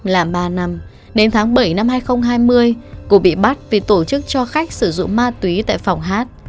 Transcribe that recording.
là ba năm đến tháng bảy năm hai nghìn hai mươi cụ bị bắt vì tổ chức cho khách sử dụng ma túy tại phòng hát